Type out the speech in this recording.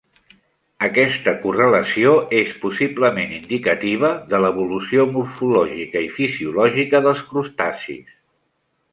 Aquesta correlació és possiblement indicativa de l'evolució morfològica i fisiològica dels crustacis.